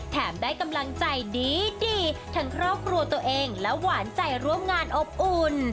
ได้กำลังใจดีทั้งครอบครัวตัวเองและหวานใจร่วมงานอบอุ่น